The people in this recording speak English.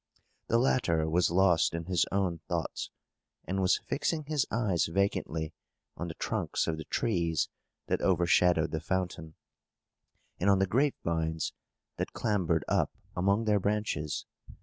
The latter was lost in his own thoughts, and was fixing his eyes vacantly on the trunks of the trees that overshadowed the fountain, and on the grapevines that clambered up among their branches.